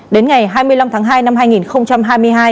đến ngày hai mươi năm tháng hai năm hai nghìn hai mươi hai